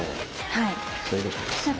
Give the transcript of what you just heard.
はい。